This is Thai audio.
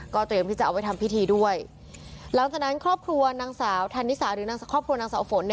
เตรียมที่จะเอาไว้ทำพิธีด้วยหลังจากนั้นครอบครัวนางสาวธันนิสาหรือนางครอบครัวนางสาวฝนเนี่ย